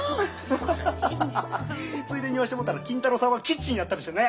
ついでに言わしてもろたら金太郎さんはキッチンやったりしてね。